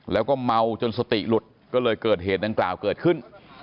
แล้วก็เมาจนสติหลุดก็เลยเกิดเหตุดังกล่าวเกิดขึ้น